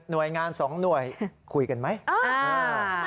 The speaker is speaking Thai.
หน่วยงาน๒หน่วยคุยกันไหม